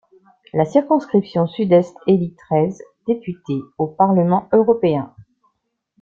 La circonscription Sud-Est élit treize députés au Parlement européen.